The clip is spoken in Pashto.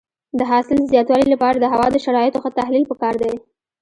د حاصل د زیاتوالي لپاره د هوا د شرایطو ښه تحلیل پکار دی.